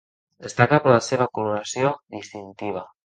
Destaca per la seva coloració distintiva.